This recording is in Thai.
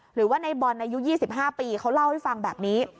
หรือว่าในบอลอายุ๒๕ปีเขาเล่าให้ฟังแบบนี้